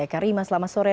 eka rima selamat sore